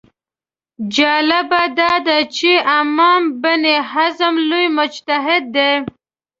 جالبه دا ده چې امام ابن حزم لوی مجتهد دی